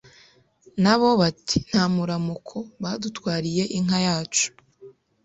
Nabo bati Nta muramuko badutwariye inka yacu